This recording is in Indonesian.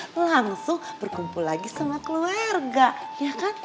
mon selamat ya